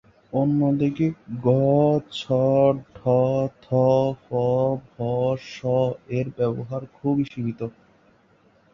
অন্যদিকে ঘ, ছ, ঠ, থ, ফ, ভ, শ এর ব্যবহার খুবই সীমিত।